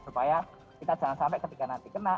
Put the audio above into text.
supaya kita jangan sampai ketika nanti kena